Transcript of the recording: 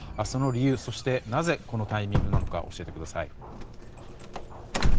その理由、そしてなぜこのタイミングなのか教えてください。